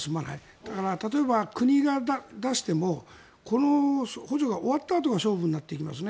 だから例えば、国が出してもこの補助が終わったあとが勝負になっていきますね。